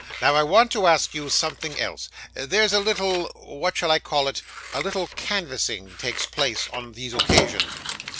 Now, I want to ask you something else. There's a little what shall I call it? a little canvassing takes place on these occasions.